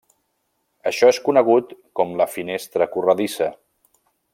Això és conegut com la finestra corredissa.